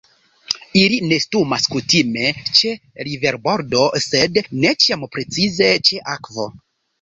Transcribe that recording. Ili nestumas kutime ĉe riverbordo, sed ne ĉiam precize ĉe akvo.